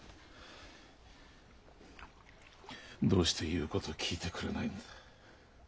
どうして言う事聞いてくれないんだ？